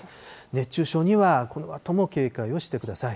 熱中症にはこのあとも警戒をしてください。